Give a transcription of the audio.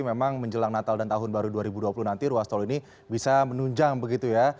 memang menjelang natal dan tahun baru dua ribu dua puluh nanti ruas tol ini bisa menunjang begitu ya